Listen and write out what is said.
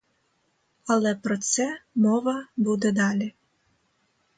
Але про це мова буде далі.